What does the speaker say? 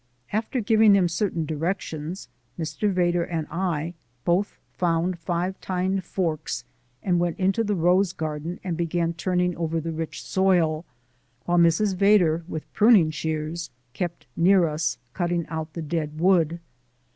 After giving them certain directions Mr. Vedder and I both found five tined forks and went into the rose garden and began turning over the rich soil, while Mrs. Vedder, with pruning shears, kept near us, cutting out the dead wood.